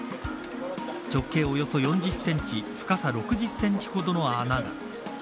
直径およそ４０センチ深さ６０センチほどの穴が。